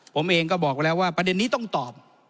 ผมเองก็บอกแล้วว่าประเด็นนี้ต้องตอบ